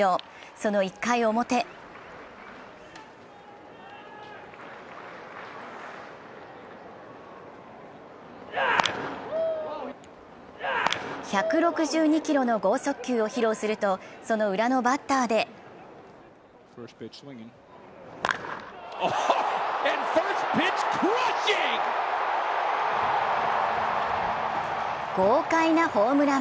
その１回表１６２キロの剛速球を披露すると、そのウラのバッターで豪快なホームラン。